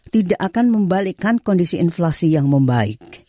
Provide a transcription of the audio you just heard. tidak akan membalikkan kondisi inflasi yang membaik